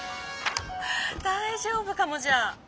大丈夫かもじゃあ！